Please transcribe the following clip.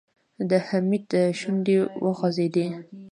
د حميد شونډې وخوځېدې.